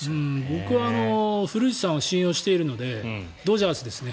僕は古内さんを信用しているのでドジャースですね。